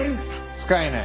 使えない。